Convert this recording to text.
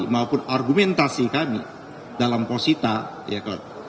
maupun argumentasi kami dalam posita ya kan